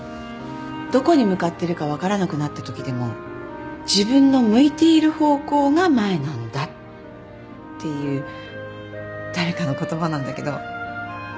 「どこに向かってるか分からなくなったときでも自分の向いている方向が前なんだ」っていう誰かの言葉なんだけど。